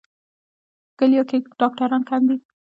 په کلیو کې ډاکټران کم دي.